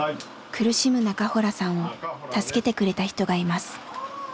苦しむ中洞さんを助けてくれた人がいます。